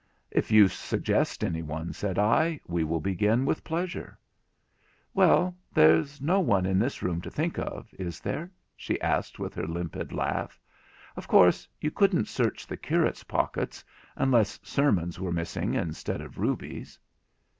'If you can suggest any one,' said I, 'we will begin with pleasure.' 'Well, there's no one in this room to think of, is there?' she asked with her limpid laugh; 'of course you couldn't search the curate's pockets, unless sermons were missing instead of rubies?'